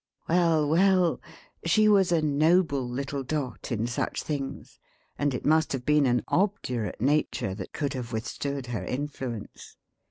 Well, well! she was a noble little Dot in such things, and it must have been an obdurate nature that could have withstood her influence.